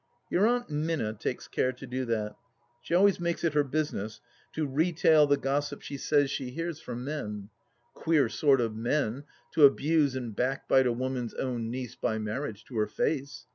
Your Aunt Minna takes care to do that. She always makes it her business to retail the gossip she says she hears 20 THE LAST DITCH from men. Queer sort of men, to abuse and backbite a woman's own niece — by marriage — to her face